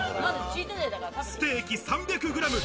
ステーキ３００グラム。